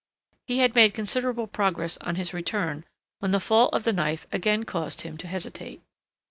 He had made considerable progress on his return when the fall of the knife again caused him to hesitate.